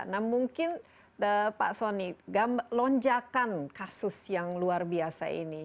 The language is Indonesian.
nah mungkin pak soni lonjakan kasus yang luar biasa ini